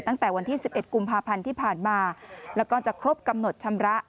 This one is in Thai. ตั้งแต่วันที่๑๑กุมภาพันธ์ที่ผ่านมาแล้วก็จะครบกำหนดชำระ